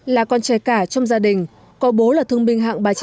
là con trai cả trong gia đình có bố là thương binh hạng ba trăm chín mươi bốn